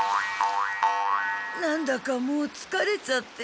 なんだかもうつかれちゃって。